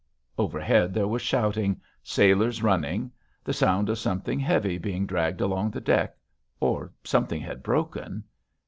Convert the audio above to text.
Overhead there was shouting, sailors running; the sound of something heavy being dragged along the deck, or something had broken....